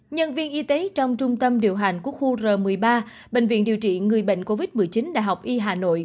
nhân viên y tế trong trung tâm điều hành của khu r một mươi ba bệnh viện điều trị người bệnh covid một mươi chín đại học y hà nội